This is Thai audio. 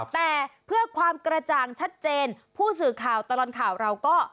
แต่เพื่อความกระจ่างชัดเจนผู้สื่อข่าวตลอดข่าวเราก็